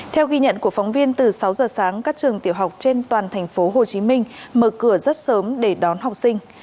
theo ghi nhận của phóng viên từ sáu giờ sáng các trường tiểu học trên toàn thành phố hồ chí minh mở cửa rất sớm để đón học sinh